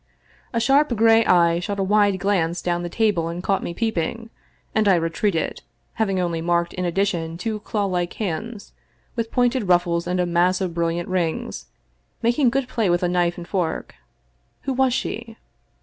A sharp gray eye shot a sideway glance down the table and caught me peeping, and I retreated, having only marked in addition two clawlike hands, with pointed ruffles and a mass of brilliant rings, making good play with a knife and fork. Who was she?